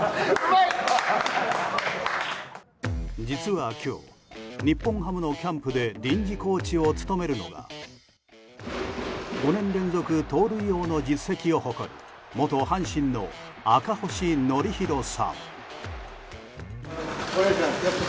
実は今日日本ハムのキャンプで臨時コーチを務めるのが５年連続盗塁王の実績を誇る元阪神の赤星憲広さん。